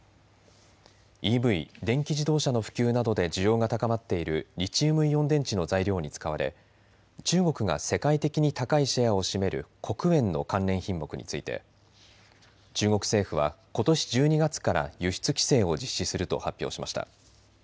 ＥＶ・電気自動車の普及などで需要が高まっているリチウムイオン電池の材料に使われ、中国が世界的に高いシェアを占める黒鉛の関連品目について中国政府はことし１２月から輸出規制を実施すると発表しました。